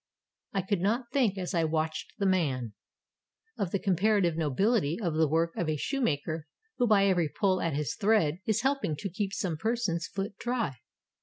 I could not but think, as I watched the man, of the comparative nobihty of the work of a shoemaker who by every pull at his thread is helping to keep some person's foot dry.